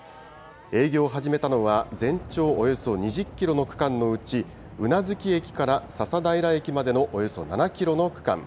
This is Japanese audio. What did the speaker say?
営業を始めたのは、全長およそ２０キロの区間のうち、宇奈月駅から笹平駅までのおよそ７キロの区間。